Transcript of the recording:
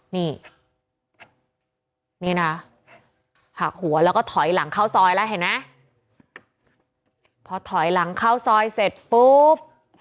นี่นี่นะหักหัวแล้วก็ถอยหลังเข้าซอยแล้วเห็นไหมพอถอยหลังเข้าซอยเสร็จปุ๊บ